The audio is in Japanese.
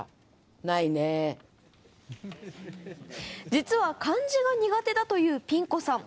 実は、漢字が苦手だというピン子さん。